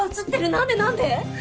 何で何で？